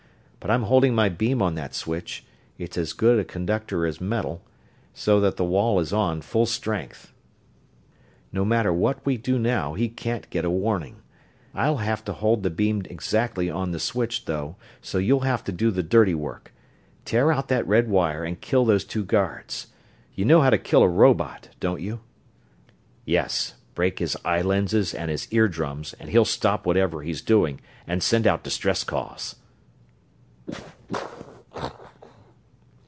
But I'm holding my beam on that switch it's as good a conductor as metal so that the wall is on, full strength. No matter what we do now, he can't get a warning. I'll have to hold the beam exactly on the switch, though, so you'll have to do the dirty work. Tear out that red wire and kill those two guards. You know how to kill a robot, don't you?" "Yes break his eye lenses and his eardrums and he'll stop whatever he's doing and send out distress calls....